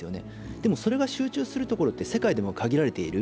でも、それが集中するところって世界でも限られてる。